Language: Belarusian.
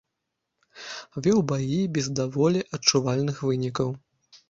Вёў баі без даволі адчувальных вынікаў.